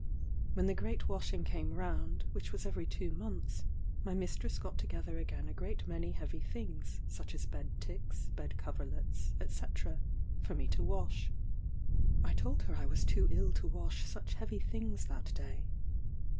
When the great washing came round, which was every two months, my mistress got together again a great many heavy things, such as bed ticks, bed coverlets, &c. for me to wash. I told her I was too ill to wash such heavy things that day.